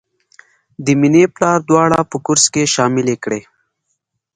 د مینې پلار دواړه په کورس کې شاملې کړې